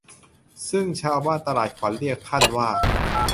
ซึ่งชาวบ้านตลาดขวัญเรียกท่านว่า